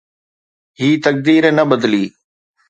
هي تقدير نه بدلي